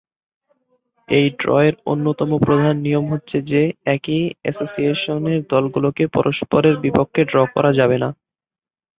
এই ড্রয়ের অন্যতম প্রধান নিয়ম হচ্ছে যে, একই এসোসিয়েশনের দলগুলোকে পরস্পরের বিপক্ষে ড্র করা যাবে না।